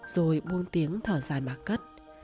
rồi buông tiếng thở dài mà cất